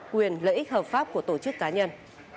quyền lợi ích hợp pháp của tổ chức cá nhân